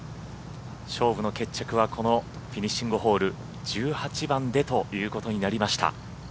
勝負の決着はこのフィニッシングホール１８番でということになりました。